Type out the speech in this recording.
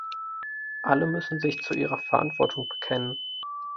Alle müssen sich zu ihrer Verantwortung bekennen.